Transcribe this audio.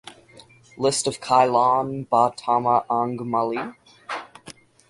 List of Kailan Ba Tama ang Mali?